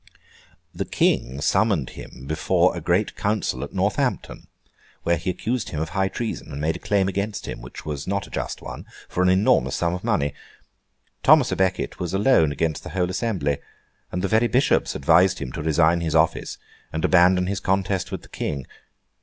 The King summoned him before a great council at Northampton, where he accused him of high treason, and made a claim against him, which was not a just one, for an enormous sum of money. Thomas à Becket was alone against the whole assembly, and the very Bishops advised him to resign his office and abandon his contest with the King.